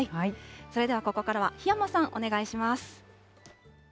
それでは、ここからは檜山さん、お願いします。